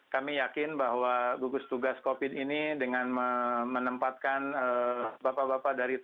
kami yakin bahwa gugus tugas covid ini dengan menempatkan bapak bapak dari tni